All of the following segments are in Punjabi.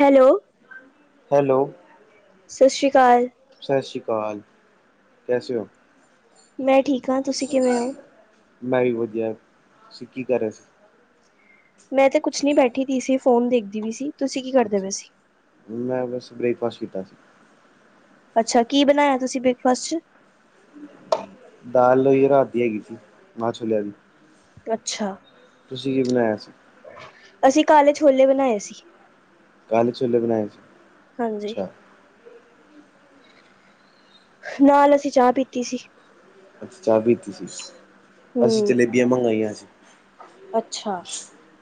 ਹੈਲੋ। ਹੈਲੋ। ਸ਼ਸ਼ੀ ਕਾਲ। ਸ਼ਸ਼ੀ ਕਾਲ, ਕੈਸੇ ਹੋ? ਮੈਂ ਠੀਕ ਆ। ਤੁਸੀਂ ਕਿਵੇਂ ਓ? ਮੈਂ ਵੀ ਵਧੀਆ। ਤੁਸੀਂ ਕੀ ਕਰ ਰਹੇ ਸੀ? ਮੈਂ ਤੇ ਕੁਛ ਨੀ ਬੈਠੀ ਦੀ ਸੀ, ਫੋਨ ਦੇਖਦੀ ਵੀ ਸੀ। ਤੁਸੀਂ ਕੀ ਕਰਦੇ ਅੱਛਾ ਵੈਸੇ? ਮੈਂ ਬੱਸ ਬ੍ਰੇਕਫਾਸਟ ਕੀਤਾ ਸੀ। ਅੱਛਾ ਕੀ ਬਣਾਇਆ ਤੁਸੀਂ ਬ੍ਰੇਕਫਾਸਟ 'ਚ'? ਦਾਲ ਹੋਈ ਰਾਤ ਦੀ ਹੈਗੀ ਸੀ, ਮਾਹ-ਛੋਲਿਆ ਦੀ। ਅੱਛਾ। ਤੁਸੀਂ ਕੀ ਬਣਾਇਆ ਸੀ? ਅਸੀਂ ਕਾਲੇ ਛੋਲੇ ਬਣਾਏ ਸੀ। ਕਾਲੇ ਛੋਲੇ ਬਣਾਏ ਸੀ, ਹਾਂਜੀ, ਅੱਛਾ। ਨਾਲ ਅਸੀਂ ਚਾਹ ਪੀਤੀ ਸੀ। ਅੱਛਾ, ਚਾਹ ਪੀਤੀ ਸੀ। ਅਸੀਂ ਹੂੰ, ਜਲੇਬੀਆਂ ਮੰਗਵਾਈਆਂ ਸੀ, ਅੱਛਾ।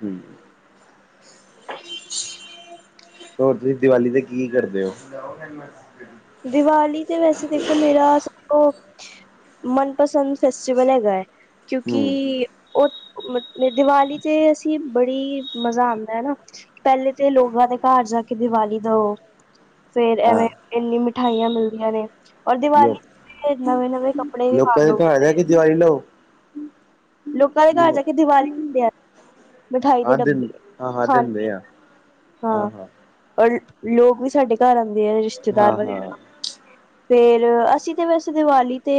ਹਮ। [inaudible] ਹੋਰ ਤੁਸੀਂ ਦੀਵਾਲੀ ਤੇ ਕੀ ਕਰਦੇ ਓ? ਦੀਵਾਲੀ ਤੇ ਵੈਸੇ ਦੇਖੋ, ਮੇਰਾ ਸਭ ਤੋ ਮਨਪਸੰਦ ਫੈਸਟੀਵਲ ਹੈਗਾ ਐ, ਹਮ ਕਿਉਂਕਿ ਉਹ ਮਤ ਦੀਵਾਲੀ ਤੇ ਅਸੀਂ ਬੜੀ ਮਜ਼ਾ ਆਂਦਾ ਨਾ। ਪਹਿਲੇ ਤੇ ਲੋਗਾ ਦੇ ਘਰ ਜਾ ਕੇ ਦੀਵਾਲੀ ਦਿਉ। ਫੇਰ ਹਾਂ ਐਵੇਂ ਇੰਨੀ ਮਿਠਾਈਆਂ ਮਿਲਦੀਆਂ ਨੇ ਔਰ ਲੋ ਦੀਵਾਲੀ ਤੇ ਨਵੇਂ-ਨਵੇਂ ਲੋਕਾਂ ਦੇ ਘਰ [unintelligible] ਦੀਵਾਲੀ [unintelligible] ਲੋਕਾਂ ਦੇ ਘਰ ਜਾ ਕੇ ਦੀਵਾਲੀ ਹੁੰਦੇ ਆ। ਮਿਠਾਈ ਦੇ ਹਾਂ ਡੱਬੇ ਦਿਨ ਹਾਂ ਹਾਂ ਖਾਣ ਦਿੰਦੇ -ਪੀਣ ਆ ਨੂੰ ਹਾਂ। ਔਰ ਲੋਕ ਵੀ ਸਾਡੇ ਘਰ ਆਉਂਦੇ ਆ ਰਿਸ਼ਤੇਦਾਰ ਹਾਂ ਹਾਂ ਵਗੈਰਾ ਫੇਰ ਅਸੀਂ ਤੇ ਵੈਸੇ ਦੀਵਾਲੀ ਤੇ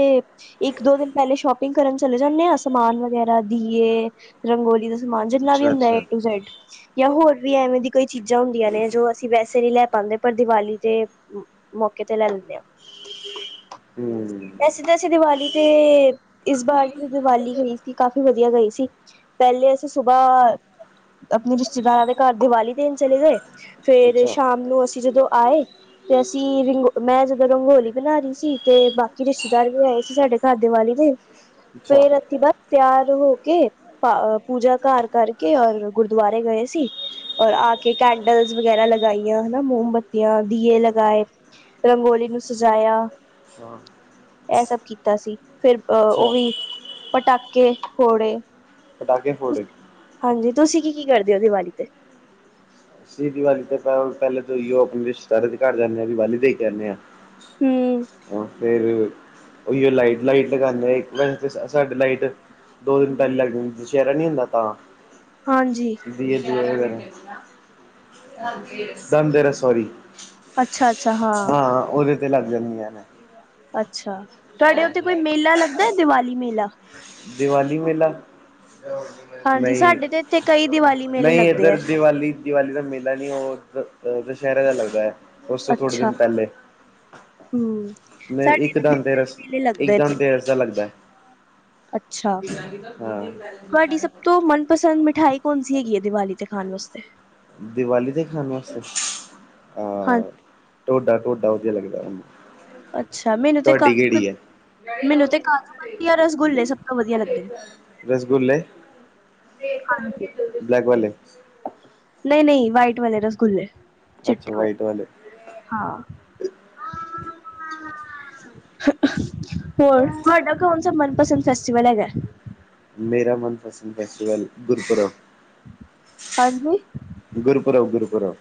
ਇੱਕ, ਦੋ ਦਿਨ ਪਹਿਲੇ ਸ਼ੋਪਿੰਗ ਕਰਨ ਚਲੇ ਜਾਂਨੇ ਆ। ਸਮਾਨ ਵਗੈਰਾ ਦੀਏ, ਰੰਗੋਲੀ ਦਾ ਸਮਾਨ ਜਿੰਨਾ ਵੀ ਅੱਛਾ ਹੁੰਦਾ ਏ ਅੱਛਾ ਟੂ ਜੈਡ। ਜਾਂ ਹੋਰ ਵੀ ਐਵੇਂ ਦੀ ਕਈ ਚੀਜ਼ਾਂ ਹੁੰਦੀਆਂ ਨੇ ਜੋ ਅਸੀਂ ਵੈਸੇ ਨਹੀਂ ਲੈ ਪਾਂਦੇ ਪਰ ਦੀਵਾਲੀ ਤੇ ਮੌਕੇ ਤੇ ਲੈ ਲੈਨੇ ਆ। [inaudible] ਹਮ। ਵੈਸੇ ਤਾਂ ਅਸੀ ਦੀਵਾਲੀ ਤੇ ਇਸ ਬਾਰ ਹੀ ਦੀਵਾਲੀ ਗਈ ਸੀ ਕਾਫ਼ੀ ਵਧੀਆ ਗਈ ਸੀ ਪਹਿਲੇ ਅਸੀਂ ਸੁਬਹ ਆਪਣੇ ਰਿਸ਼ਤੇਦਾਰਾਂ ਦੇ ਘਰ ਦੀਵਾਲੀ ਦੇਣ ਚਲੇ ਗਏ ਫੇਰ ਅੱਛਾ ਸ਼ਾਮ ਨੂੰ ਅਸੀਂ ਜਦੋਂ ਆਏ ਤੇ ਅਸੀਂ ਰੰਗੋ ਮੈਂ ਜਦੋਂ ਰੰਗੋਲੀ ਬਣਾ ਰਹੀ ਸੀ ਤੇ ਬਾਕੀ ਰਿਸ਼ਤੇਦਾਰ ਵੀ ਆਏ ਸੀ ਸਾਡੇ ਸਾਡੇ ਵਾਲੀ ਤੇ [inaudible] ਫਿਰ ਰਾਤੀ ਬਸ ਤਿਆਰ ਹੋ ਕੇ ਪੂਜਾ ਘਰ ਕਰਕੇ ਔਰ ਗੁਰਦੁਆਰੇ ਗਏ ਸੀ। ਔਰ ਆ ਕੇ ਕੈਂਡਲਸ ਵਗੈਰਾ ਲਗਾਈਆਂ ਹਨਾ ਮੋਮਬੱਤੀਆਂ, ਦੀਏ ਲਗਾਏ। ਰੰਗੋਲੀ ਨੂੰ ਸਜਾਇਆ। ਹਾਂ ਇਹ ਸਭ ਕੀਤਾ ਸੀ ਫਿਰ ਅੱਛਾ ਉਹੀ ਪਟਾਕੇ ਫੋੜੇ। ਪਟਾਕੇ ਫੋੜੇ। ਤੁਸੀਂ ਕੀ-ਕੀ ਕਰਦੇ ਹੋ? ਦੀਵਾਲੀ ਤੇ ਅਸੀ ਦੀਵਾਲੀ ਤੋ ਪਹਿਲੇ ਤੋਂ ਯੂ ਉਹ ਆਪਣੇ ਰਿਸ਼ਤੇਦਾਰਾ ਦੇ ਘਰ ਜਾਂਨੇ ਆ ਦੀਵਾਲੀ ਦੇ ਕੇ ਆਨੇ ਆ। ਹਮ [inaudible] ਹੁਣ ਫਿਰ। ਉਹੀਉ ਲਾਈਟ -ਲਾਈਟ ਲਗਾਉਂਦੇ ਆ ਇੱਕ ਦਿਨ 'ਚ' ਸਾਡੇ ਲਾਈਟ ਦੋ ਦਿਨ ਪਹਿਲੇ ਲੱਗ ਜਾਂਦੀ ਹੈ, ਦੁਸਿਹਰਾ ਨੀ ਹੁੰਦਾ ਤਾਂ। ਹਾਂਜੀ। [unintelligible] ਹੁੰਦੀ ਆ ਦੂਏ ਦਿਨ। [unintelligible] ਸੋਰੀ ਅੱਛਾ ਅੱਛਾ [inaudible] ਹਾਂ ਉਹਦੇ ਤੇ ਲੱਗ ਜਾਂਦੀਆਂ ਨੇ। ਅੱਛਾ ਤੁਹਾਡੇ ਉੱਥੇ ਕੋਈ ਮੇਲਾ ਲੱਗਦਾ ਦੀਵਾਲੀ ਮੇਲਾ। ਦੀਵਾਲ਼ੀ ਮੇਲਾ [unintelligible] ਹਾਂਜੀ ਨਹੀਂ- ਸਾਡੇ ਤੇ ਇੱਥੇ ਕਈ ਦੀਵਾਲੀ ਮੇਲੇ ਨਹੀਂ ਲੱਗਦੇ ਹੈ ਇੱਧਰ ਦੀਵਾਲੀ ਦੀਵਾਲੀ ਦਾ ਮੇਲਾ ਨੀ ਉਹ ਦੁਸਹਿਰੇ ਦਾ ਲੱਗਦਾ ਹੈ ਉਸ ਤੋਂ ਥੋੜੇ ਅੱਛਾ ਦਿਨ ਪਹਿਲੇ। ਹਮ। ਮ ਸਾਡੇ ਇੱਥੇ ਇੱਕਦਮ ਤੇ ਰਸ ਦੀਵਾਲੀ ਮੇਲੇ ਲੱਗਦੇ ਇੱਕਦਮ ਤੇ ਨੇ ਰਸ ਦਾ ਲੱਗਦਾ ਹੈ ਅੱਛਾ ਹਾਂ। ਤੋ ਮਨਪਸੰਦ ਮਿਠਾਈ ਕੌਣ ਸੀ ਹੈਗੀ ਹੈ, ਦੀਵਾਲੀ ਤੇ ਖਾਣ ਵਾਸਤੇ ਦੀਵਾਲੀ ਦੇ ਖਾਣ ਵਾਸਤੇ ਹਾਂ ਅਹ ਟੋਡਾ-ਟੋਡਾ ਵਧੀਆ ਲੱਗਦਾ ਮੈਨੂੰ ਅੱਛਾ ਮੈਨੂੰ ਤੇ ਤੁਹਾਡੀ ਕਾਫੀ ਕੁਝ ਕਿਹੜੀ ਹੈ ਮੈਨੂੰ ਤੇ ਕਾਜੂ ਕਤਰੀ ਜਾਂ ਰਸਗੁੱਲੇ ਸਭ ਤੋਂ ਵਧੀਆ ਲੱਗਦੇ ਰਸਗੁੱਲੇ ਫੇਅ ਖਾਣੀ। ਹਾਂਜੀ। ਵਗੈਬਲੇ ਲੈ ਨਹੀ-ਨਹੀ ਵਾਈਟ ਵਾਲੇ ਰਸਗੁੱਲੇ ਅੱਛਾ ਚਿੱਟੇ ਵਾਲ ਵਾਈਟ ਵਾਲੇ ਹਾਂ। ਹੋਰ ਤੁਹਾਡਾ ਕੌਣ ਸ ਮਨਪਸੰਦ ਫੈਸਟੀਵਲ ਹੈਗਾ। ਮੇਰਾ ਮਨਪਸੰਦ ਫੈਸਟੀਵਲ ਗੁਰਪੁਰਬ ਹਾਂਜੀ ਗੁਰਪੁਰਬ ਗੁਰਪੁਰਬ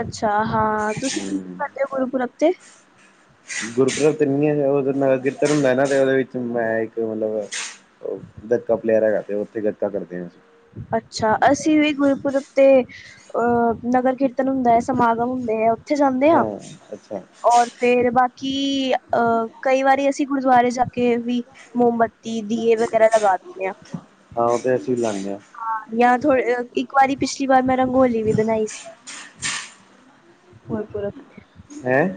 ਅੱਛਾ ਹਾਂ, ਤੁਸੀਂ ਕੀ-ਕੀ ਕਰਦੇ ਹੋ ਗੁਰੂਪੁਰਬ 'ਤੇ ਗੁਰਪੂਰਬ ਨਹੀਂ ਉਹ ਨ ਕਿਰਤਰ ਹੁੰਦਾ ਨਾ ਤੇ ਉਹਦੇ ਵਿੱਚ ਮੈਂ ਇੱਕ ਮਤਲਬ ਉਹ [unintelligible] ਪਲੇਅਰ ਹੈਗਾ ਤੇ ਉੱਥੇ [unintelligible] ਕਰਦੇ ਆ ਅਸੀਂ ਅੱਛਾ, ਅਸੀਂ ਵੀ ਗੁਰਪੁਰਬ 'ਤੇ ਅ ਨਗਰ ਕੀਰਤਨ ਹੁੰਦਾ ਐ, ਸਮਾਗਮ ਹੁੰਦੇ ਐ। ਇੱਥੇ ਜਾਂਦੇ ਆ ਹਾਂ ਅੱਛਾ ਔਰ ਫੇਰ ਬਾਕੀ ਅਹ ਕਈ ਵਾਰੀ ਅਸੀਂ ਗੁਰਦੁਆਰੇ ਜਾ ਕੇ ਵੀ ਮੋਮਬੱਤੀ, ਦੀਏ ਵਗੈਰਾ ਲਗਾ ਦਿਣੇ ਆ ਹਾਂ, ਉਹ ਤੇ ਅਸੀਂ ਲਾਣੇ ਆ ਹਾਂ ਜਾਂ ਥੋੜੇ ਇੱਕ ਵਾਰੀ ਪਿਛਲੀ ਵਾਰ ਮੈਂ ਰੰਗੋਲੀ ਵੀ ਬਣਾਈ ਸੀ। ਗੁਰਪੂਰਬ ਹੈਅ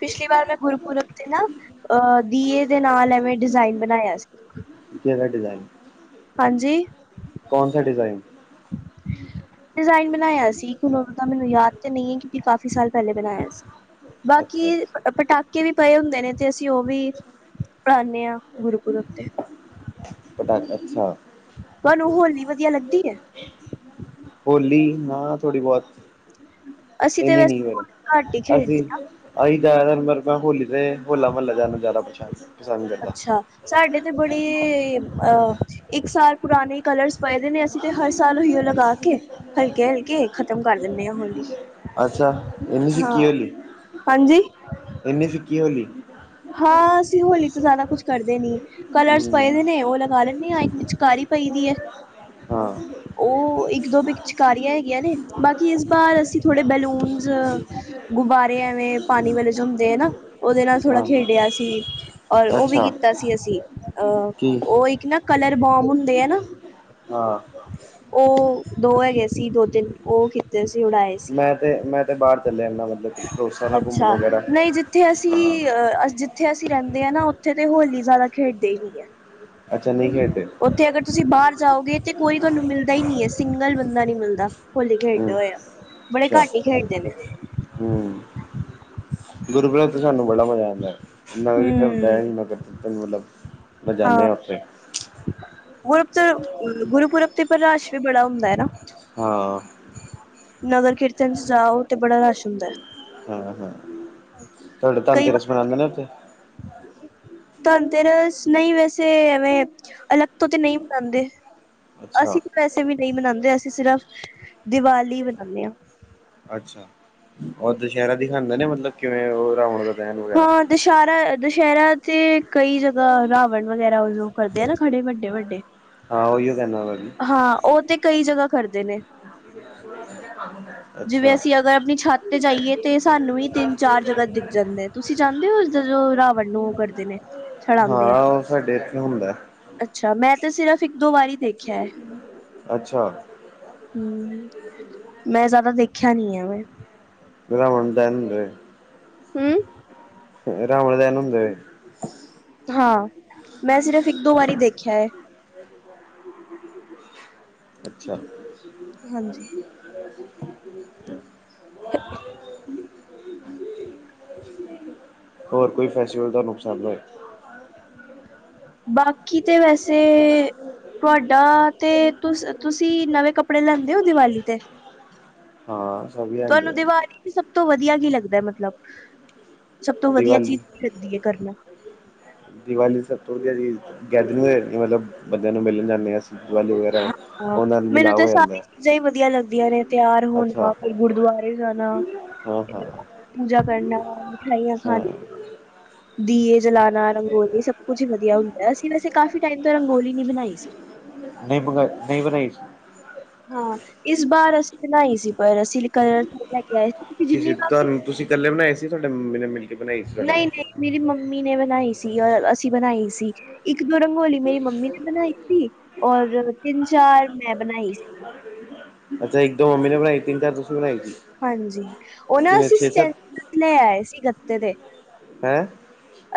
ਪਿਛਲੀ ਵਾਰ ਮੈਂ ਗੁਰੂਪੁਰਬ ਤੇ ਨਾ ਅਹ ਦੀਏ ਦੇ ਨਾਲ ਐਵੇਂ ਡਿਜ਼ਾਇਨ ਬਣਾਇਆ ਸੀ ਕਿਹੜਾ ਡਿਜ਼ਾਈਨ ਹਾਂਜੀ। ਕੌਣ ਸਾ ਡਿਜ਼ਾਈਨ ਡਿਜ਼ਾਇਨ ਬਣਾਇਆ ਸੀ, ਹੁਣ ਉਹ ਤਾਂ ਮੈਨੂੰ ਯਾਦ ਤੇ ਨਹੀਂ ਐ ਕਿ ਕੀ ਕਾਫ਼ੀ ਸਾਲ ਪਹਿਲੇ ਬਣਾਇਆ ਸੀ, ਅੱਛਾ ਬਾਕੀ ਅੱਛਾ ਪਟਾਕੇ ਵੀ ਪਏ ਹੁੰਦੇ ਨੇ ਤੇ ਅਸੀਂ ਉਹ ਵੀ, ਪੜਾਉਂਦੇ ਆ ਗੁਰੂਪੁਰਬ ਤੇ ਪਤਾ, ਅੱਛਾ। ਤੁਹਾਨੂੰ ਹੌਲੀ ਵਧੀਆ ਲੱਗਦੀ ਏ? ਹੋਲੀ, ਨਾ ਥੋੜੀ ਬਹੁਤ ਅਸੀਂ ਤੇ ਇਹਨੀ ਨੀ ਵੈਸੇ ਫੇਰ ਹੋਲੀ ਘੱਟ ਹੀ ਅਸੀਂ ਖੇਡਦੇ ਹਾਂ। ਅਸੀ ਜਾ ਮੈਂ ਹੋਲੀ ਤੇ ਹੋਲਾ-ਮਹੱਲਾ ਜਾਣਾ ਜ਼ਿਆਦਾ ਪਸੰਦ ਪਸੰਦ ਕਰਦਾ ਅੱਛਾ, ਸਾਡੇ ਤੇ ਬੜੇ, ਅਹ ਇੱਕ ਸਾਲ ਪੁਰਾਣੇ ਕਲਰਸ ਪਏਦੇ ਨੇ ਅਸੀਂ ਤੇ ਹਰ ਸਾਲ ਉਹੀ ਉਹ ਲਗਾ ਕੇ ਹਲਕੇ-ਹਲਕੇ ਖ਼ਤਮ ਕਰ ਦਿੰਦੇ ਆ ਹੋਲੀ ਅੱਛਾ, ਇਹਨੀ ਹਾਂ ਫਿੱਕੀ ਹੋਲੀ, ਹਾਂਜੀ ਇਹਨੀ ਫਿੱਕੀ ਹੋਲੀ ਹਾਂ, ਅਸੀਂ ਹੋਲੀ ਤੋਂ ਜ਼ਿਆਦਾ ਕੁੱਛ ਕਰਦੇ ਨੀ ਕਲਰਸ ਹਮ ਪਏਦੇ ਨੇ ਉਹ ਲਗਾ ਲੈਂਣੇ ਆ ਇੱਕ ਪਿਚਕਾਰੀ ਪਈ ਦੀ ਐ ਹਾਂ। ਉਹ ਇੱਕ-ਦੋ ਪਿਕਚਕਾਰੀਆਂ ਹੈਗੀਆਂ ਨੇ ਬਾਕੀ ਇਸ ਬਾਰ ਅਸੀਂ ਥੋੜੇ ਬੈਲੂਨਜ ਗੁਬਾਰੇ ਐਵੇਂ ਪਾਣੀ ਵੇਲੇ ਜੋ ਹੁੰਦੇ ਐ ਨਾ ਉਹਦੇ ਨਾਲ ਥੋੜਾ ਹਾਂ ਗਿਆ ਆ ਸੀ ਔਰ ਉਹ ਵੀ ਅੱਛਾ ਕੀਤਾ ਸੀ, ਅਸੀਂ ਅਹ ਕੀ ਉਹ ਇੱਕ ਨਾ ਕਲਰ ਬੋਮ ਹੁੰਦੇ ਆ ਨਾ ਹਾਂ। ਉਹ ਦੋ ਹੈਗੇ ਸੀ ਦੋ-ਤਿੰਨ ਉਹ ਕੀਤੇ ਸੀ ਉਡਾਏ। ਮੈਂ ਤੇ ਮੈਂ ਤੇ ਬਾਹਰ ਚੱਲਿਆ ਜਾਂਦਾ ਮਤਲਬ ਦੋਸਤਾਂ ਨਾਲ ਘੁੰਮਣ ਅੱਛਾ, ਵਗੈਰਾ ਨਹੀਂ ਜਿੱਥੇ ਅਸੀਂ ਹਾਂ ਅਹ ਅ ਜੀ ਜਿੱਥੇ ਅਸੀਂ ਰਹਿੰਦੇ ਆ ਨਾ ਉੱਥੇ ਤੇ ਹੋਲੀ ਜ਼ਿਆਦਾ ਖੇਡੇ ਈ ਨਹੀਂ। ਹੈ ਅੱਛਾ ਨਹੀਂ ਖੇਡਦੇ। ਉੱਥੇ ਅਗਰ ਤੁਸੀਂ ਬਾਹਰ ਜਾਓਗੇ ਤੇ ਕੋਈ ਤੁਹਾਨੂੰ ਮਿਲਦਾ ਹੀ ਨਹੀ ਐ ਸਿੰਗਲ ਬੰਦਾ ਨਹੀ ਮਿਲਦਾ। ਹੋਲੀ ਖੇਡਦੇ ਹਮ ਹੋਇਆ, ਬੜੇ ਅੱਛਾ ਘੱਟ ਹੀ ਖੇਡਦੇ ਨੇ। ਹਮ, ਗੁਰੂ ਗ੍ਰੰਥ ਤੇ ਸਾਨੂੰ ਬੜਾ ਮਜ਼ਾ ਆਂਦਾ। ਲੱਗਦੇ ਟਾਈਮ, ਟਾਈਮ ਹੂੰ ਹੀ ਲੱਗਜੂ, ਬੱਸ ਜਾਨੇ ਹਾਂ ਉੱਥੇ। ਗੁਰਬ ਤੋਂ ਗੁਰਪੂਰਬ ਤੇਪਰ ਰਸ਼ ਵੀ ਬੜਾ ਹੁੰਦਾ ਐ ਨਾ। ਹਾਂ। ਨਗਰ ਕੀਰਤਨ ਚ ਜਾਓ ਤੇ ਬੜਾ ਰਸ਼ ਹੁੰਦਾ। ਹਮ ਹਾਂ ਤੁਹਾਡੇ ਧਨ ਕਈ ਤੇ ਰਸ ਵਾਰ ਮਨਾਂਦੇ ਦੇ ਨੇ ਇੱਥੇ। ਧਨ ਤੇ ਰਸ ਨਹੀਂ ਵੈਸੇ ਐਵੇਂ ਅਲੱਗ ਤੋਂ ਤੇ ਨਹੀਂ ਮਨਾਂਦੇ। ਅਸੀਂ ਅੱਛਾ ਤਾਂ ਵੈਸੇ ਵੀ ਨਹੀਂ ਮਨਾਂਦੇ ਅਸੀਂ ਸ਼ਿਰਫ ਦੀਵਾਲੀ ਮਨਾਉਂਦੇ ਹਾਂ। ਅੱਛਾ ਔਰ ਦੁਸਹਿਰਾ ਦਿਖਾਦੇ ਨੇ ਮਤਲਬ ਕਿਵੇਂ ਉਹ ਰਾਵਣ ਦਾ ਦਹਿਣ ਵਗੈਰਾ ਹਾਂ ਦੁਸਹਿਰਾ -ਦੁਸਹਿਰਾ ਤੇ ਕਈ ਜਗ੍ਹਾ ਰਾਵਣ ਵਗੈਰਾ ਉਦੋਂ ਕਰਦੇ ਆ ਨਾ ਖੜੇ ਵੱਡੇ -ਵੱਡੇ। ਹਾਂ ਉਹੀਓ ਕਹਿਣਾ ਮੈਂ ਵੀ। ਹਾਂ ਉਹ ਤੇ ਕਈ ਜਗ੍ਹਾ ਕਰਦੇ ਨੇ। [unintelligible] ਜਿਵੇਂ ਅਸੀਂ ਅਗਰ ਆਪਣੀ ਛੱਤ ਤੇ ਜਾਈਏ ਸਾਨੂੰ ਵੀ ਤਿੰਨ-ਚਾਰ ਜਗ੍ਹਾ ਦੇ ਜਾਂਦੇ ਤੁਸੀਂ ਜਾਦੇ ਹੋ ਜਦੋਂ ਰਾਵਣ ਨੂੰ ਉਹ ਕਰਦੇ ਨੇ ਸੜਾਂਦੇ ਆ। ਫਿਰ ਕੀ ਹੁੰਦਾ? ਅੱਛਾ, ਮੈਂ ਤੇ ਸਿਰਫ਼ ਇੱਕ- ਦੋ ਵਾਰੀ ਦੇਖਿਆ ਹੈ। ਅੱਛਾ ਹਮ, ਮੈਂ ਜ਼ਿਆਦਾ ਦੇਖਿਆ ਨੀ ਆ ਐਵੇਂ। ਰਾਵਣ ਦਹਿਨ ਹੁੰਦਾ। ਹਮ। ਰਾਵਣ ਦਹਿਨ ਹੁੰਦਾ। ਹਾਂ ਮੈਂ ਸਿਰਫ਼ ਇੱਕ ਦੋ ਵਾਰੀ ਦੇਖਿਆ ਹੈ। ਅੱਛਾ‌। ਹਾਂਜੀ। [unintelligible] [unintelligible] ਹੋਰ ਕੋਈ ਫੈਸਟੀਵਲ ਤੁਹਾਨੂੰ ਪਸੰਦ ਆ। [inaudible] ਬਾਕੀ ਤੇ ਵੈਸੇ ਤੁਹਾਡਾ ਤੇ ਤੁ ਤੁਸੀਂ ਨਵੇਂ ਕੱਪ ਕੱਪੜੇ ਲੈਂਦੇ ਹੋ ਦੀਵਾਲੀ ਤੇ ਹਾਂ ਸਭ ਹੀ ਤੁਹਾਨੂੰ ਆਉਂਦੇ ਆ ਦੀਵਾਲੀ ਸਭ ਤੋਂ ਵਧੀਆ ਕੀ ਲੱਗਦਾ ਮਤਲਬ ਸਭ ਤੋਂ ਵਧੀਆ ਚੀਜ਼ ਦੀਵਾਲੀ ਕੀ ਲੱਗਦੀ ਹੈ ਕਰਨਾ। ਦੀਵਾਲੀ ਸਭ ਤੋਂ ਵਧੀਆ ਜੀ ਗੈਦਰਿੰਗ ਮਤਲਬ ਬੰਦਿਆਂ ਨੂੰ ਮਿਲਣ ਜਾਂਦੇ ਆ ਅਸੀਂ ਵੈਲੂ ਵਗੈਰਾ ਉਹਨਾਂ ਨੂੰ ਮਿਲਾਵ ਹੋ ਜਾਂਦਾ। ਜੇ ਹੀ ਵਧੀਆ ਲੱਗਦੀਆਂ ਨੇ ਤਿਆਰ ਅੱਛਾ ਹੋਣਾ ਫਿਰ ਗੁਰਦੁਆਰੇ ਜਾਣਾ। ਹਾਂ ਹਾਂ ਪੂਜਾ ਕਰਨਾ ਮਿਠਾਈਆਂ ਹਾਂ ਖਾਣਾ। [inaudible] ਦੀਏ ਜਲਾਨਾ ਰੰਗੋਲੀ ਸਭ ਕੁਝ ਹੀ ਵਧੀਆ ਹੁੰਦਾ, ਅਸੀਂ ਵੈਸੇ ਕਾਫੀ ਟਾਈਮ ਤੋਂ ਰੰਗੋਲੀ ਨੀ ਬਣਾਈ ਸੀ। ਨਹੀਂ ਬਗਾ ਨਹੀਂ ਬਣਾਈ ਸੀ। ਹਾਂ ਇਸ ਵਾਰ ਅਸੀਂ ਬਣਾਈ ਸੀ ਪਰ ਅਸੀਂ ਕਲਰ ਲੈ ਕੇ ਆਏ ਸੀ ਕਿਉਂ ਕਿਸੇ ਜਿੰਨੀ ਵਾਰ ਤੁਹਾਨੂੰ ਤੁਸੀਂ ਇਕੱਲੇ ਬਣਾਏ ਸੀ ਸੋਡੇ ਮੰਮੀ ਨੇ ਮਿਲ ਕੇ ਬਣਾਈ ਸੀ ਤੁਹਾਡੇ ਨਹੀਂ- ਨਾਲ ਨਹੀਂ ਮੇਰੀ ਮੰਮੀ ਨੇ ਬਣਾਈ ਸੀ ਔਰ ਅਸੀਂ ਬਣਾਈ ਸੀ ਇੱਕ- ਦੋ ਰੰਗੋਂ [unintelligible] ਔਰ ਤਿੰਨ ਚਾਰ ਮੈਂ ਬਣਾਈ ਸੀ। ਅੱਛਾ ਇੱਕ- ਦੋ ਮੰਮੀ ਨੇ ਬਣਾਈ। ਤਿੰਨ- ਚਾਰ ਤੁਸੀ ਬਣਾਈ ਤੀ। ਹਾਂਜੀ ਉਹ ਨਾ ਅਸੀਂ ਸਟੈਂ [unintelligible] ਲੈ ਆਏ ਸੀ ਗੱਤੇ ਦੇ। ਹੈਂ।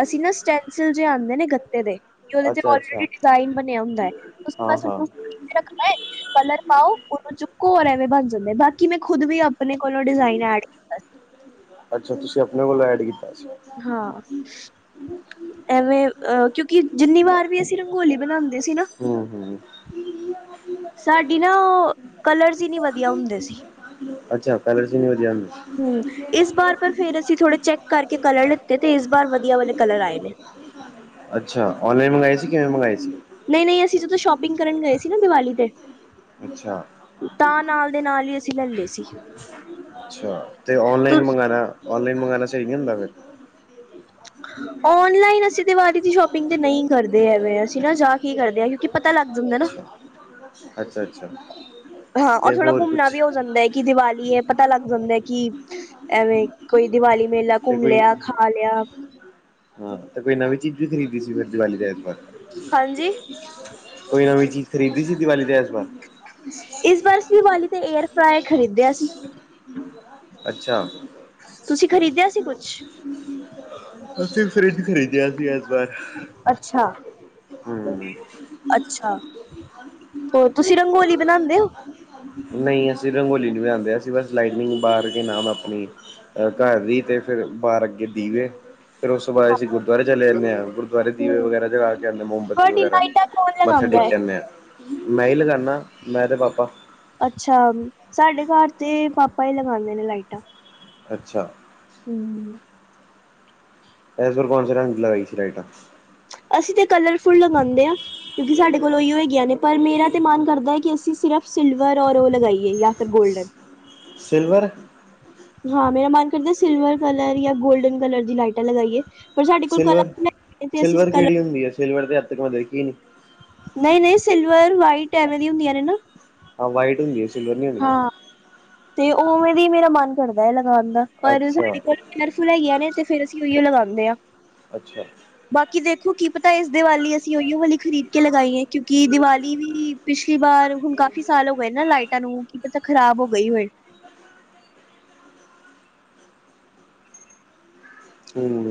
ਅਸੀਂ ਨਾ ਸਟੈਂਸਿਲ ਜਿਹੇ ਆਉਂਦੇ ਨੇ ਗੱਤੇ ਦੇ ਉਹਦੇ ਤੇ ਅੱਛਾ ਔਲਰੇਡੀ ਅੱਛਾ ਡਿਜ਼ਾਇਨ ਬਣਿਆ ਹੁੰਦਾ ਹੈ ਉਸ ਹਾਂ [unintelligible] ਹਾਂ ਸਓਨੂੰ ਰੱਖਣਾ ਏ। ਕਲਰ ਪਾਓ ਉਹਨੂੰ ਚੁੱਕੋ ਐਵੇਂ ਬਣ ਜਾਂਦੇ ਬਾਕੀ ਮੈਂ ਖੁਦ ਵੀ ਆਪਣੇ ਕੋਲੋਂ ਡਿਜ਼ਾਇਨ ਐਡ ਕੀਤਾ ਅੱਛਾ ਤੁਸੀਂ ਆਪਣੇ ਕੋਲੋਂ ਐਡ ਕੀਤਾ। ਸੀ ਹਾਂ। ਐਵੇਂ, ਅਹ ਕਿਉਂਕਿ ਜਿੰਨੀ ਵਾਰ ਵੀ ਅਸੀਂ ਰੰਗੋਲੀ ਬਣਾਉਂਦੇ ਸੀ ਨਾ ਹਮ- ਹਮ। ਸਾਡੀ ਨਾ, ਉਹ ਕਲਰਸ ਨੀ ਵਧੀਆ ਹੁੰਦੇ ਸੀ। ਅੱਛਾ ਕਲਰਸ ਨੀ ਵਧੀਆ ਹੁੰਦੇ। ਹਮ ਇਸ ਬਾਰ ਪਰ ਫੇਰ ਅਸੀਂ ਥੋੜੇ ਚੈੱਕ ਕਰਕੇ ਕਲਰ ਲਿੱਤੇ ਤੇ ਇਸ ਬਾਰ ਵਧੀਆ ਵਾਲੇ ਕਲਰ ਆਏ ਨੇ। ਅੱਛਾ ਔਨਲਾਈਨ ਮੰਗਵਾਏ ਸੀ ਕਿਵੇਂ ਮੰਗਵਾਏ ਸੀ। ਨਹੀਂ- ਨਹੀਂ ਅਸੀਂ ਜਦੋਂ ਸ਼ੋਪਿੰਗ ਕਰਨ ਗਏ ਸੀ ਨਾ ਦੀਵਾਲੀ ਤੇ। ਅੱਛਾ। ਤਾਂ ਨਾਲ ਦੇ ਨਾਲ ਹੀ ਅਸੀਂ ਲੈ ਲਏ ਸੀ [unintelligible] ਅੱਛਾ, ਤੇ ਔਨਲਾਈਨ ਤੁ ਮੰਗਾਣਾ। ਔਨਲਾਈਨ ਮੰਗਵਾਉਣਾ ਸਹੀ ਨਹੀਂ ਹੁੰਦਾ ਫਿਰ [unintelligible] ਔਨਲਾਈਨ ਅਸੀਂ ਤੇ ਦਿਵਾਲੀ ਦੀ ਸ਼ੋਪਿੰਗ ਤੇ ਨਹੀਂ ਕਰਦੇ ਐਮੇ ਅਸੀਂ ਨਾ ਜਾ ਕੇ ਹੀ ਕਰਦੇ ਹਾਂ ਕਿਉਂਕਿ ਪਤਾ ਲੱਗ ਜਾਂਦਾ ਨਾ। ਅੱਛਾ ਅੱਛਾ- ਅੱਛਾ। ਹਾਂ ਔਰ ਤੇ ਥੋੜ੍ਹਾ ਹੋਰ ਘੁੰਮਣਾ ਕੁਛ ਵੀ ਹੋ ਜਾਂਦਾ ਹੈ ਕਿ ਦੀਵਾਲੀ ਹੈ ਪਤਾ ਲੱਗ ਜਾਂਦਾ ਹੈ ਕਿ ਐਵੇਂ ਕੋਈ ਦੀਵਾਲੀ ਮੇਲਾ ਤੇ ਘੁੰਮ ਕੋਈ ਲਿਆ ਖਾ ਲਿਆ। ਹਾਂ ਤੇ ਕੋਈ ਨਵੀਂ ਚੀਜ਼ ਵੀ ਖਰੀਦੀ ਸੀ ਫਿਰ ਦੀਵਾਲੀ ਦੇ ਐਤਵਾਰ। ਹਾਂਜੀ। ਕੋਈ ਨਵੀਂ ਚੀਜ਼ ਖਰੀਦੀਸੀ ਦੀਵਾਲੀ ਤੇ ਐਸਵਾਰ। ਇਸ ਵਾਰ ਅਸੀਂ ਦਿਵਾਲੀ ਤੇ ਏਅਰ ਫ੍ਰਏ ਖਰੀਦਿਆ ਸੀ। ਅੱਛਾ। ਤੁਸੀਂ ਖ਼ਰੀਦਿਆ ਸੀ ਕੁਛ? ਅਸੀਂ ਫਰਿੱਜ ਖਰੀਦਿਆ ਸੀ ਇਸ ਵਾਰ। ਅੱਛਾ, ਹੂੰ ਅੱਛਾ, ਹੋਰ ਤੁਸੀਂ ਰੰਗੋਲੀ ਬਣਾਉਂਦੇ ਹੋ। ਨਹੀਂ ਅਸੀਂ ਰੰਗੋਲੀ ਨੀ ਬਣਾਉਂਦੇ ਅਸੀਂ ਬਸ ਲਾਈਟਨਿੰਗ ਬਾਹਰ ਕੇ ਨਾਮ ਆਪਣੀ ਘਰ ਦੀ ਅਤੇ ਫਿਰ ਬਾਹਰ ਅੱਗੇ ਦੀਵੇ ਫਿਰ ਉਸ ਤੋਂ ਬਾਅਦ ਅਸੀਂ ਗੁਰਦੁਆਰੇ ਚਲੇ ਜਾਂਦੇ ਹਾਂ ਗੁਰੁਆਰੇ ਦੀਵੇ ਵਗੈਰਾ ਜਗਾ ਕੇ ਆਉਂਦੇ ਮੋਮਬੱਤੀ ਤੁਹਾਡੀ ਵਗੈਰਾ ਲਾਈਟਾਂ ਕੌਣ ਮੱਥਾ ਲਗਾਉਂਦਾ ਹੈ ਟੇਕ ਆਦੇ ਆ, ਮੈਂ ਹੀ ਲਗਾਨਾ, ਮੈਂ ਤੇ ਪਾਪਾ। ਅੱਛਾ, ਸਾਡੇ ਘਰ ਤੇ ਪਾਪਾ ਹੀ ਲਗਾਉਂਦੇ ਨੇ ਲਾਈਟਾਂ। ਅੱਛਾ, ਹਮ ਐਸ ਵਾਰ ਕੌਣ ਸੇ ਰੰਗ ਕੀ ਲਗਾਈ ਸੀ ਲਾਈਟਾ। ਅਸੀਂ ਤੇ ਕਲਰਫੁੱਲ ਲਗਾਉਂਦੇ ਹਾਂ। ਸਾਡੇ ਕੋਲ ਉਹੀ ਹੈਗੀਆਂ ਨੇ ਪਰ ਮੇਰਾ ਤੇ ਮਨ ਕਰਦਾ ਹੈ ਕਿ ਸਿਰਫ ਸਿਲਵਰ ਔਰ ਉਹ ਲਗਾਈਏ ਜਾਂ ਫਿਰ ਗੋਲਡਨ। ਸਿਲਵਰ। ਹਾਂ ਮੇਰਾ ਮਨ ਕਰਦਾ ਸਿਲਵਰ ਕਲਰ ਜਾਂ ਗੋਲਡਨ ਕਲਰ ਦੀ ਲਾਈਟਾਂ ਲਗਾਈਏ। ਪਰ ਸਾਡੇ ਕੋਲ ਸਿਲਵਰ, ਕਲਰ ਤੇ ਅਸੀਂ ਸਿਲਵਰ ਕਲਰ ਕਿਹੜੀ ਹੁੰਦੀ ਹੈ ਸਿਲਵਰ ਤੇ ਅੱਜ ਤੱਕ ਮੈਂ ਦੇਖੀ ਨੀ। ਨਹੀਂ- ਨਹੀਂ ਸਿਲਵਰ ਵਾਈਟ ਐਵੇਂ ਦੀਆਂ ਹੁੰਦੀਆਂ ਨੇ ਨਾ। ਹਾਂ ਵਾਈਟ ਹੁੰਦੀ ਹੈ ਸਿਲਵਰੀ ਨੀ ਹੁੰਦੀ। ਹਾਂ ਤੇ ਉਵੇਂ ਦੀ ਮੇਰਾ ਮਨ ਕਰਦਾ ਹੈ ਲਗਾਉਣ ਦਾ ਪਰ ਅੱਛਾ ਸਾਡੇ ਘਰ ਕਲਰਫੁਲ ਹੈਗੀਆਂ ਨੇ ਫ਼ਿਰ ਅਸੀਂ ਉਹੀਓ ਲਗਾਉਂਦੇ ਹਾਂ। ਅੱਛਾ। ਬਾਕੀ ਦੇਖੋ, ਕੀ ਪਤਾ ਇਸ ਦੀਵਾਲੀ ਅਸੀਂ ਉਹੀਓ ਵਾਲੀ ਖਰੀਦ ਕੇ ਲਗਾਈ ਹੈ ਕਿਉਂਕਿ ਦੀਵਾਲੀ ਵੀ ਪਿਛਲੀ ਵਾਰ ਹੁਣ ਕਾਫ਼ੀ ਸਾਲ ਹੋ ਗਏ ਨਾ ਲਾਈਟਾਂ ਨੂੰ ਕੀ ਪਤਾ ਖ਼ਰਾਬ ਹੋ ਗਈ ਹੋਏ। ਹਮ।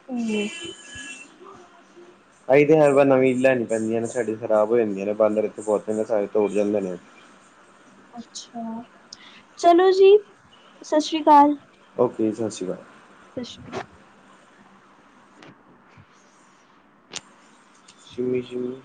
[unintelligible] ਅਹੀ ਤੇ ਹੈਗਾ ਨਵੀਂ ਲੈਣੀ ਪੈਂਦੀਆਂ ਨੇ, ਸਾਡੇ ਖਰਾਬ ਹੋ ਜਾਂਦੀਆਂ ਨੇ, ਬਾਂਦਰ ਇੱਥੇ ਬਹੁਤ ਨੇ ਸਾਰੇ ਤੋੜ ਜਾਂਦੇ ਨੇ। ਅੱਛਾ, ਚਲੋ ਜੀ। ਸ਼ਸ਼ਰੀਕਾਲ। ਓਕੇ ਜੀ ਸ਼ਸ਼ਰੀਕਾਲ। ਸਸ਼੍ਰੀ ਕਾਲ। ਸਿੰਮੀ-ਸਿੰਮੀ।